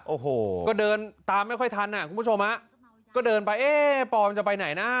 โอ้โหก็เดินตามไม่ค่อยทันอ่ะคุณผู้ชมฮะก็เดินไปเอ๊ะปอมจะไปไหนนะ